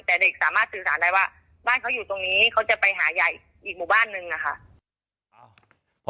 แต่เด็กสามารถสื่อสารได้ว่าบ้านเขาอยู่ตรงนี้เขาจะไปหาใหญ่อีกหมู่บ้านนึงอะค่ะ